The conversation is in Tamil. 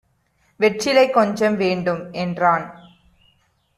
"வெற்றிலை கொஞ்சம் வேண்டும்" என்றான்.